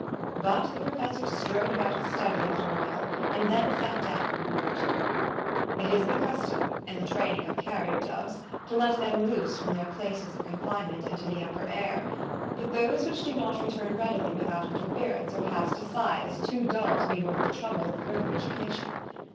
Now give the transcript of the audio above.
But the professor strode about his study a little while, and then sat down and wrote, " It is the custom, in the training of carrier doves, to let them all loose from their places of confine ment into the upper air; but those which do not return readily without interference are cast aside as too dull to be worth the trouble of further education.